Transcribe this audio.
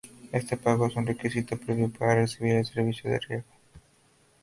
Este pago es un requisito previo para recibir el servicio de riego.